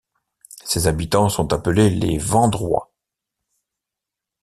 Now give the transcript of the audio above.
Ses habitants sont appelés les Vendrois.